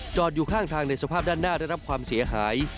อยู่ข้างทางในสภาพด้านหน้าได้รับความเสียหาย